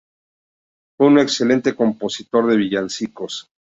Fue un excelente compositor de villancicos.